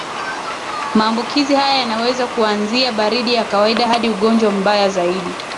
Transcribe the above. Maambukizi haya yanaweza kuanzia baridi ya kawaida hadi ugonjwa mbaya zaidi